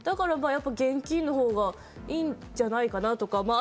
だから現金のほうがいいんじゃないかなとか。